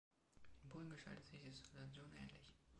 In Polen gestaltet sich die Situation ähnlich.